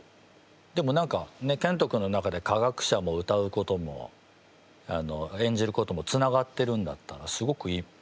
でも何かけんと君の中で科学者も歌うことも演じることもつながってるんだったらすごくいい。